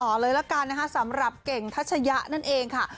ต่อเลยละกันนะคะสำหรับเก่งทัชยะนั่นเองค่ะ